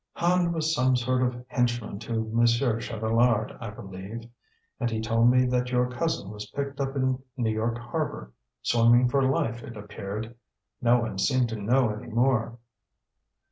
"Hand was some sort of henchman to Monsieur Chatelard, I believe. And he told me that your cousin was picked up in New York harbor, swimming for life, it appeared. No one seemed to know any more."